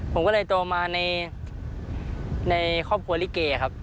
ผมก็เลยโตมาในครอบครัวลิเกครับ